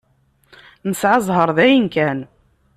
Nesεa ẓẓher dayen kan.